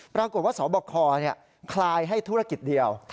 ปรากฏว่าสบคลายให้ธุรกิจเดียว